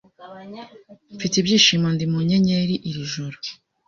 Mfite ibyishimo ndi mu nyenyeri iri joro